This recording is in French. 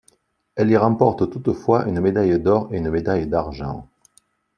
Elle y remporte toutefois une médaille d'or et une médaille d'argent.